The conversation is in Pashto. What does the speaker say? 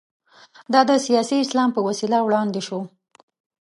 دا د سیاسي اسلام په وسیله وړاندې شو.